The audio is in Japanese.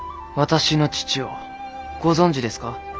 私の父をご存じですか？